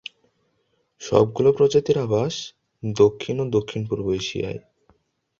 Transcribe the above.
সবগুলো প্রজাতির আবাস দক্ষিণ ও দক্ষিণ-পূর্ব এশিয়ায়।